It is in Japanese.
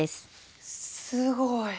すごい。